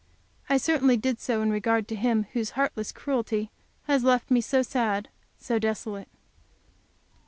I certainly did so in regard to him whose heart less cruelty has left me so sad, so desolate.